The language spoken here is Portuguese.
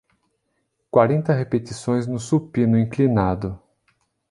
Quarenta repetições no supino inclinado